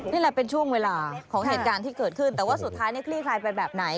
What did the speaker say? นี่แหละเป็นช่วงเวลาของเหตุการณ์ที่เกิดขึ้นแต่ว่าสุดท้ายคลี่คลายไปแบบไหน